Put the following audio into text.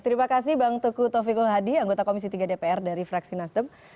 terima kasih bang teguh taufikul hadi anggota komisi tiga dpr dari fraksi nasdem